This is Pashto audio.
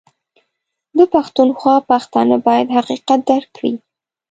ده پښتونخوا پښتانه بايد حقيقت درک کړي